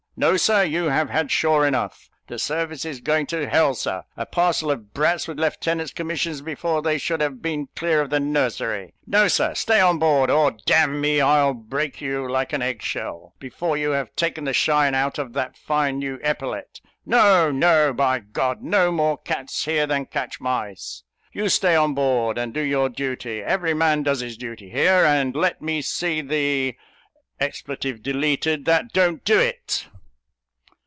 No, Sir; you have had shore enough. The service is going to h l, Sir! A parcel of brats, with lieutenants' commissions before they should have been clear of the nursery! No, Sir: stay on board, or, d n me, I'll break you, like an egg shell, before you have taken the shine out of that fine new epaulette! No, no, by G ; no more cats here than catch mice. You stay on board, and do your duty: every man does his duty here; and let me see the that don't do it!"